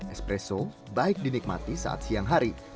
espresso baik dinikmati saat siang hari